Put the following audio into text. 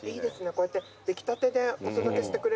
こうやって出来たてでお届けしてくれるんですね。